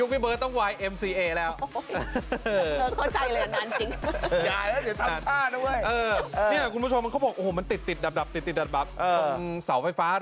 มันทำมาเยือนกรอบลงหัว